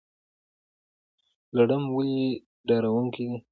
لړم ولې ډارونکی دی؟